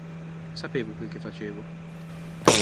Sapevo quel che facevo.